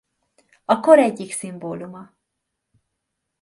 A kor egyik szimbóluma.